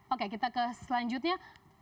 oke kita ke selanjutnya